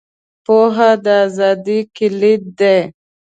• پوهه، د ازادۍ کلید دی.